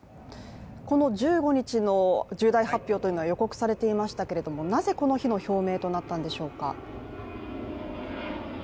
この１５日の重大発表というのは予告されていましたけれども、なぜこの日の表明となったんでしょうか？